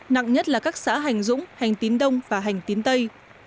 nặng nhất là các xã hành dũng hành tín đông và hành tín tây